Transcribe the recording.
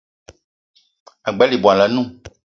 Ag͡bela ibwal anoun